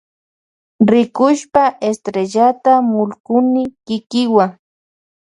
Rikushpa estrellata mullkuni kikiwa.